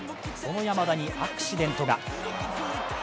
その山田にアクシデントが。